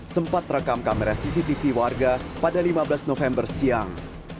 sempat rekam kamera cctv warga pada lima belas november siang